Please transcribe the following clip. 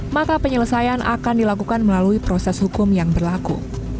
maka penyelesaian akan dilakukan melalui proses hukum yang berlaku